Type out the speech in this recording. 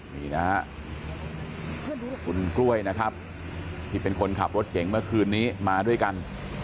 นี่นะฮะคุณกล้วยนะครับที่เป็นคนขับรถเก่งเมื่อคืนนี้มาด้วยกัน